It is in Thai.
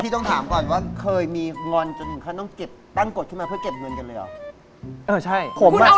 พี่ต้องถามก่อนว่าคืออยู่แม่ใจต่างกดจนให้เก็บเงินเหรอ